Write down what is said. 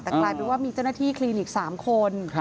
แต่กลายเป็นว่ามีเจ้าหน้าที่คลินิก๓คน